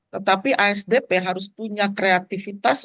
tetapi asdp harus punya kreativitas